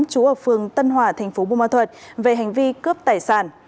trú ở phường tân hòa thành phố bùn ma thuật về hành vi cướp tài sản